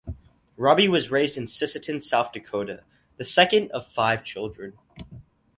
Robbie was raised in Sisseton, South Dakota, the second of five children.